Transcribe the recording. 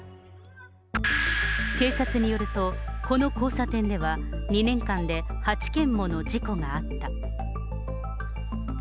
警察によると、この交差点では２年間で８件もの事故があった。